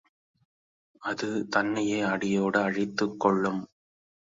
அது தன்னையே அடியோடு அழித்துக்கொள்ளும்.